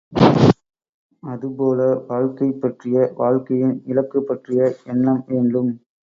அதுபோல வாழக்கை பற்றிய வாழ்க்கையின் இலக்கு பற்றிய எண்ணம் வேண்டும்.